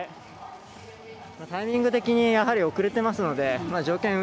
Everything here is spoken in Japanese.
タイミング的にやはり遅れてますので条件